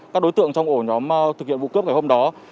các đối tượng trong ổ nhóm thực hiện vụ cướp ngày hôm đó